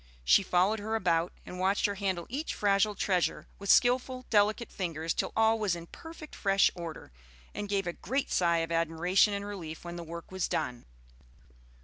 She followed her about and watched her handle each fragile treasure with skilful, delicate fingers till all was in perfect fresh order, and gave a great sigh of admiration and relief when the work was done.